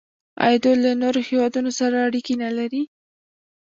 آیا دوی له نورو هیوادونو سره اړیکې نلري؟